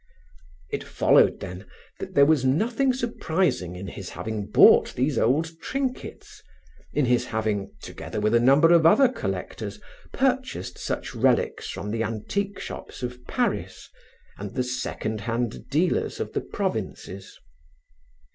It followed, then, that there was nothing surprising in his having bought these old trinkets, in his having, together with a number of other collectors, purchased such relics from the antique shops of Paris and the second hand dealers of the provinces.